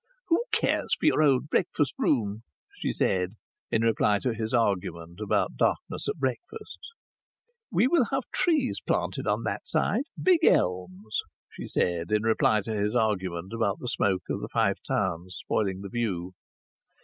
"Who cares for your old breakfast room?" she said, in reply to his argument about darkness at breakfast. "We will have trees planted on that side big elms," she said, in reply to his argument about the smoke of the Five Towns spoiling the view.